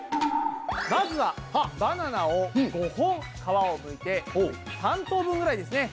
まずはバナナを５本皮をむいて３等分ぐらいですね